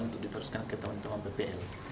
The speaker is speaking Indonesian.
untuk diteruskan ke teman teman bpl